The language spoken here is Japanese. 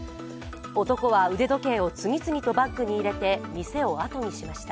男は腕時計を次々とバッグに入れて、店をあとにしました。